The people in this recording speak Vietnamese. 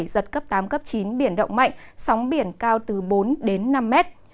giật cấp tám cấp chín biển động mạnh sóng biển cao từ bốn đến năm mét